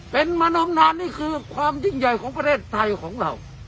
เป็นมานอมนานนี่คือความยิ่งใหญ่ของประเทศไทยของเรา